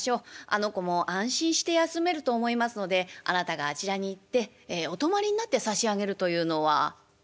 あの子も安心して休めると思いますのであなたがあちらに行ってお泊まりになってさしあげるというのは」。